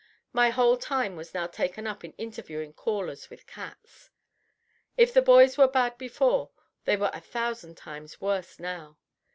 My whole time was now taken up in interviewing callers with cats. If the boys were bad before, they were a thousand times worse now.